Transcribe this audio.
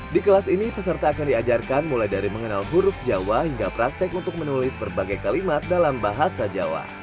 di kelas ini peserta akan diajarkan mulai dari mengenal huruf jawa hingga praktek untuk menulis berbagai kalimat dalam bahasa jawa